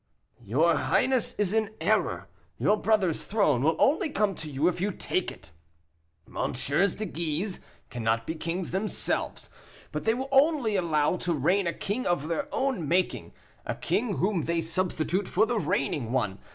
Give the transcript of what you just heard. "Your highness is in error; your brother's throne will only come to you if you take it. MM. de Guise cannot be kings themselves, but they will only allow to reign a king of their own making, a king whom they substitute for the reigning one.